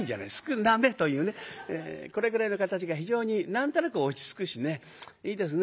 これぐらいの形が非常に何となく落ち着くしねいいですね。